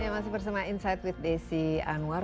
masih bersama insight with desi anwar